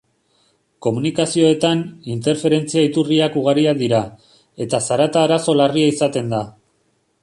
Komunikazioetan, interferentzia-iturriak ugariak dira, eta zarata arazo larria izaten da.